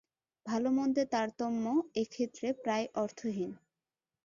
ভালমন্দের তারতম্য এক্ষেত্রে প্রায় অর্থহীন।